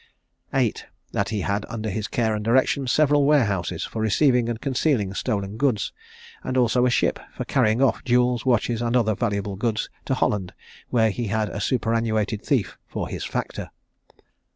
VIII. That he had, under his care and direction, several warehouses for receiving and concealing stolen goods; and also a ship for carrying off jewels, watches, and other valuable goods, to Holland, where he had a superannuated thief for his factor.